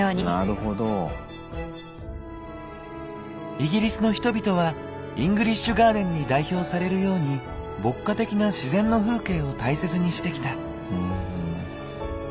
イギリスの人々はイングリッシュガーデンに代表されるように牧歌的な自然の風景を大切にしてきた。